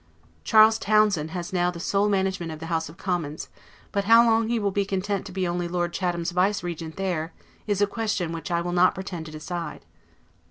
Charles Townshend has now the sole management of the House of Commons; but how long he will be content to be only Lord Chatham's vicegerent there, is a question which I will not pretend to decide.